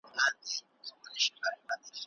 د نورو له منګولو